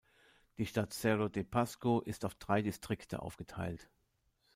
Die Stadt Cerro de Pasco ist auf drei Distrikte aufgeteilt.